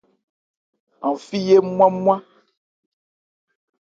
An fí yé nmwá-nmwá.